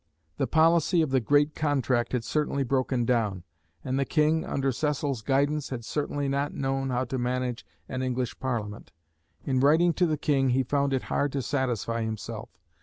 The policy of the "Great Contract" had certainly broken down, and the King, under Cecil's guidance, had certainly not known how to manage an English parliament. In writing to the King he found it hard to satisfy himself.